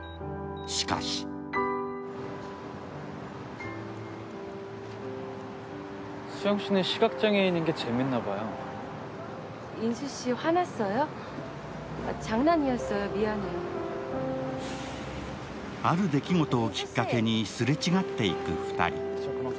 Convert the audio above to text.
しかしある出来事をきっかけにすれ違っていく２人。